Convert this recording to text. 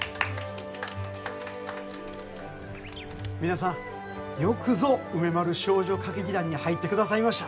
皆さんよくぞ梅丸少女歌劇団に入ってくださいました。